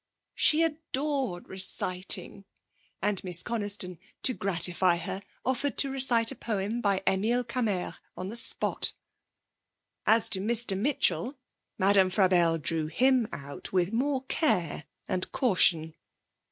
She adored reciting, and Miss Coniston, to gratify her, offered to recite a poem by Emile Cammaerts on the spot. As to Mr. Mitchell, Madame Frabelle drew him out with more care and caution.